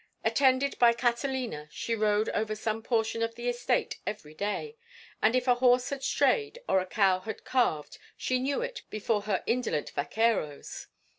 Attended by Catalina she rode over some portion of the estate every day, and if a horse had strayed or a cow had calved she knew it before her indolent vaqueros.